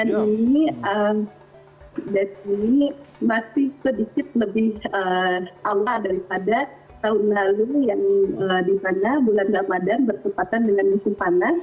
dan ini masih sedikit lebih awal daripada tahun lalu yang di sana